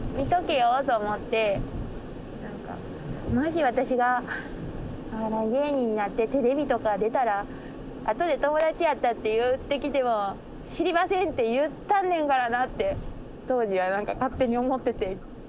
まあもし私がお笑い芸人になってテレビとか出たらあとで「友達やった」って言ってきても「知りません」って言ったんねんからなって当時は何か勝手に思ってて。